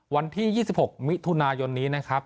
วันที่๒๖มิถุนายนนี้นะครับ